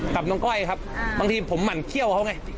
กับน้องก้อยครับบางทีผมหมั่นเขี้ยวเขาไง